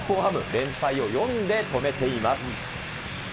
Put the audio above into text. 連敗を４で止めています。